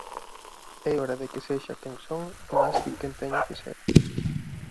É hora de que sexa quen son máis que quen teño que ser.